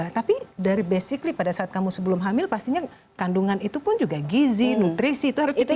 tapi dari basically pada saat kamu sebelum hamil pastinya kandungan itu pun juga gizi nutrisi itu harus kita